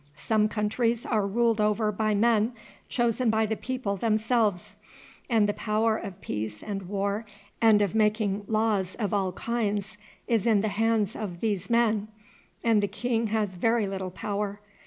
"Some countries are ruled over by men chosen by the people themselves, and the power of peace and war and of making laws of all kinds is in the hands of these men, and the king has very little power.